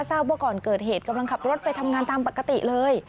ทราบว่าก่อนเกิดเหตุกำลังขับรถไปทำงานตามปกติเลย